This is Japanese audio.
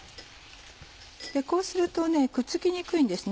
こうするとくっつきにくいんですね